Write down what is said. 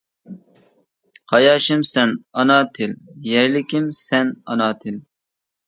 قاياشىم سەن ئانا تىل، يەرلىكىم سەن ئانا تىل.